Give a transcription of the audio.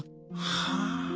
はあ。